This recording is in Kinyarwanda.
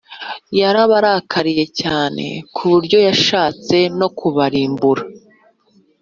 yarabarakariye cyane ku buryo yashatse no kubarimbura